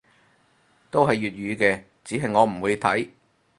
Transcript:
都係粵語嘅，只係我唔會睇